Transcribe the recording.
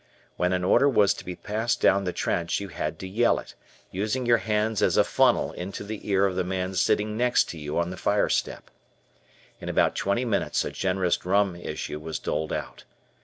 When an order was to be passed down the trench, you had to yell it, using your hands as a funnel into the ear of the man sitting next to you on the fire step. In about twenty minutes a generous rum issue was doled out.